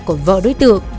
của vợ đối tượng